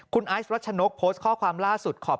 กรุงเทพฯมหานครทำไปแล้วนะครับ